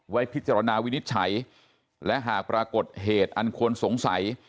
ไว้พิจารณาวินิจฉัยและหากปรากฏเหตุอันควรสงสัย